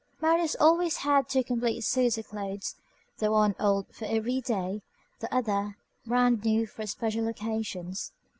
Marius always had two complete suits of clothes, the one old, "for every day"; the other, brand new for special occasions.